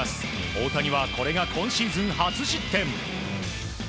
大谷はこれが今シーズン初失点。